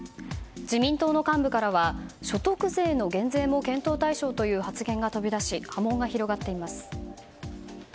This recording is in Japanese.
自民党の幹部からは所得税の減税も検討対象という発言が飛び出し波紋が広がっています。